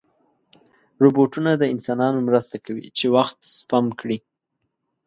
روبوټونه د انسانانو مرسته کوي چې وخت سپم کړي.